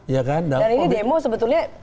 dan ini demo sebetulnya